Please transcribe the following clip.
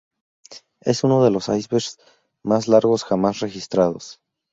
Es uno de los icebergs más largos jamás registrados.